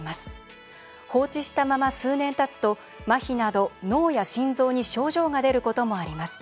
放置したまま数年たつとまひなど、脳や心臓に症状が出ることもあります。